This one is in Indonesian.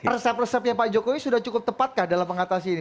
resep resepnya pak jokowi sudah cukup tepatkah dalam mengatasi ini